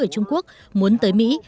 trung quốc muốn tới mỹ